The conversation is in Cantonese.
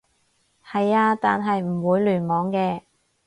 係啊，但係唔會聯網嘅